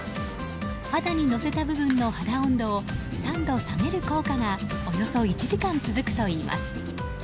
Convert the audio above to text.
肌に乗せた部分の肌温度を３度下げる効果がおよそ１時間続くといいます。